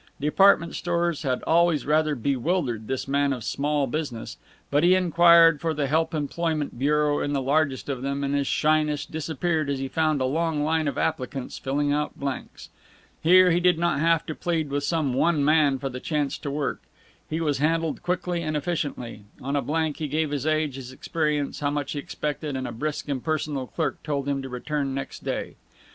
Department stores had always rather bewildered this man of small business, but he inquired for the help employment bureau in the largest of them, and his shyness disappeared as he found a long line of applicants filling out blanks. Here he did not have to plead with some one man for the chance to work. He was handled quickly and efficiently. On a blank he gave his age, his experience, how much he expected; and a brisk, impersonal clerk told him to return next day.